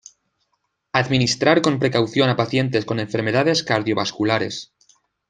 Administrar con precaución a pacientes con enfermedades cardiovasculares.